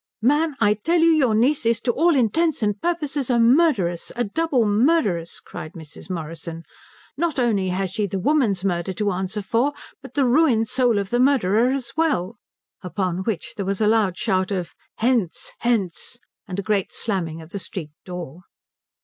"Man, I tell you your niece is to all intents and purposes a murderess, a double murderess," cried Mrs. Morrison. "Not only has she the woman's murder to answer for, but the ruined soul of the murderer as well." Upon which there was a loud shout of "Hence! Hence!" and a great slamming of the street door.